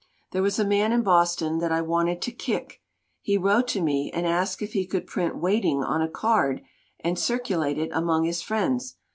"There was a man in Boston that I wanted to kick! He wrote to me and asked if he could print Waiting on a card and circulate it among his friends.